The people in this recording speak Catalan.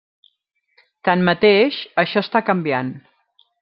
Tanmateix, això està canviant.